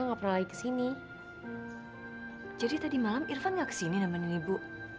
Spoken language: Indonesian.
nggak pernah lagi ke sini jadi tadi malam irfan nggak kesini nemenin ibu